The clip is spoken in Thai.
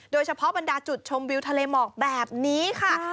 โดยเฉพาะบรรดาจุดชมวิวทะเลหมอกแบบนี้ค่ะ